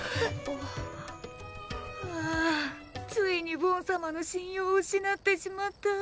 あああついにボン様の信用を失ってしまった！